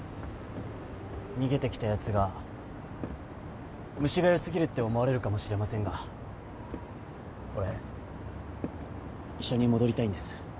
逃げてきたやつが虫がよすぎるって思われるかもしれませんが俺医者に戻りたいんです。